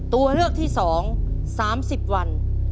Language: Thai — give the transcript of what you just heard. ตัวเลือกที่๒๓๐วัน